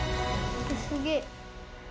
すげえ。